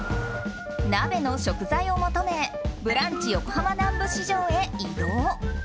鍋の食材を求めブランチ横浜南部市場へ移動。